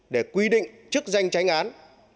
để quy định chức danh tránh án